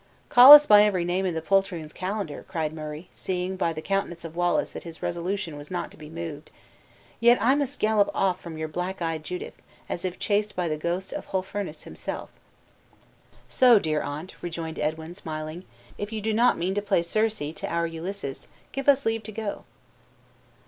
"Call us by every name in the poltroon's calendar," cried Murray, seeing by the countenance of Wallace that his resolution was not to be moved; "yet I must gallop off from your black eyed Judith, as if chased by the ghost of Holofernes himself." "So, dear aunt," rejoined Edwin, smiling, "if you do not mean to play Circe to our Ulysses, give us leave to go!"